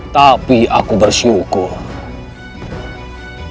tapi aku bersyukur